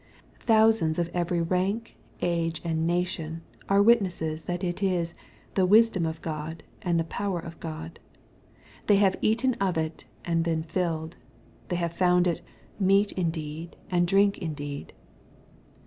Thousands of every rank, age, and nation, are witnesses that it is " the wisdom of Q od, and the power of God." They have eaten of it and been "filled." They have found it " meat indeed and drink indeed."